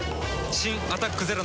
新「アタックＺＥＲＯ」